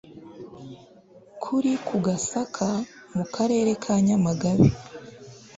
kiri ku GASAKA mu Karere ka NYAMAGABE